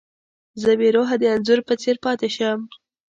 زه بې روحه د انځور په څېر پاتې شم.